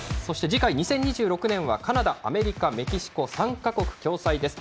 次回２０２６年はカナダ、アメリカメキシコ、３か国共催です。